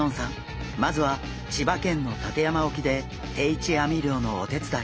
まずは千葉県の館山沖で定置網漁のお手伝い。